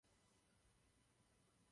Jeho základy jsou dochované.